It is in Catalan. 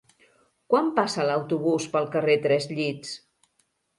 Quan passa l'autobús pel carrer Tres Llits?